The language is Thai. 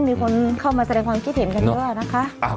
มีคนเข้ามาแสดงความคิดเห็นกันเยอะนะคะ